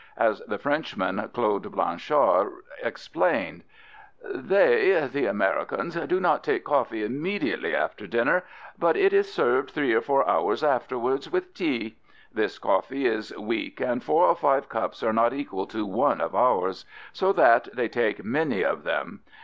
As the Frenchman Claude Blanchard explained: They [the Americans] do not take coffee immediately after dinner, but it is served three or four hours afterwards with tea; this coffee is weak and four or five cups are not equal to one of ours; so that they take many of them.